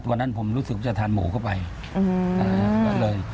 วันนั้นผมรู้สึกว่าจะทานหมูเข้าไปก็เลย